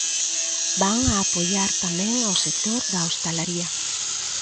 Van a apoiar tamén ao sector da hostalaría.